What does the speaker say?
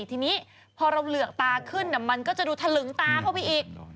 ทีนี้พอเราเหลือกตาขึ้นมันก็จะดูทะลึงตาเข้าไปอีก